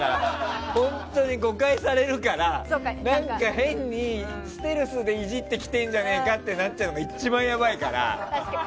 本当に誤解されるから何か変にステルスでいじってきてるじゃないかってなっちゃうのが一番やばいから。